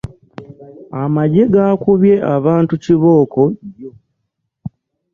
Amagye gaakubye abantu kibooko jjo.